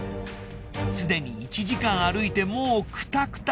すでに１時間歩いてもうクタクタ。